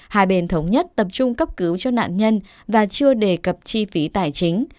hai bên thống nhất tập trung cấp cứu cho nạn nhân và chưa đề cập chi phí tài chính